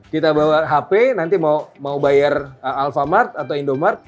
kita bawa hp nanti mau bayar alfamart atau indomart